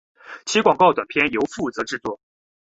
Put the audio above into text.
其广告短片由负责制作。